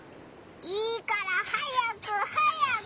いいから早く早く！